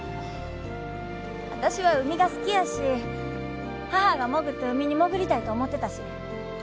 私は海が好きやし母が潜った海に潜りたいと思ってたし。